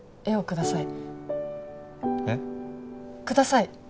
ください